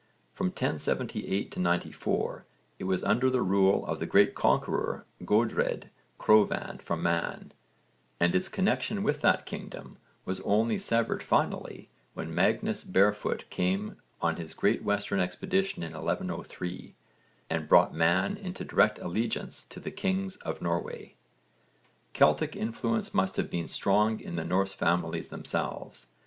From 1078 94 it was under the rule of the great conqueror Godred Crovan from Man, and its connexion with that kingdom was only severed finally when Magnus Barefoot came on his great Western expedition in 1103, and brought Man into direct allegiance to the kings of Norway. Celtic influence must have been strong in the Norse families themselves.